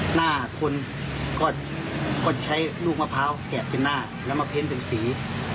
หน้าคนก็ใช้ลูกมะพร้าวแกะเป็นหน้าแล้วมาเพ้นเป็นสี